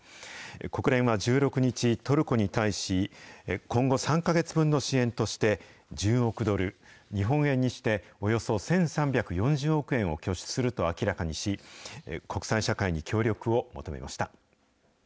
国連は１６日、トルコに対し、今後３か月分の支援として、１０億ドル、日本円にしておよそ１３４０億円を拠出すると明らかにし、国際社会に協力を求めました。